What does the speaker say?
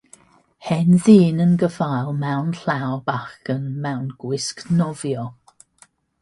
Hen ddyn yn gafael mewn llaw bachgen mewn gwisg nofio.